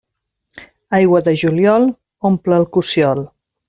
Aigua de juliol omple el cossiol.